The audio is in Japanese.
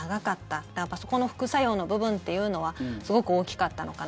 やっぱりそこの副作用の部分っていうのはすごく大きかったのかな。